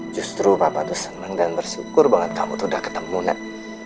justru papa tuh seneng dan bersyukur banget kamu tuh udah ketemu nak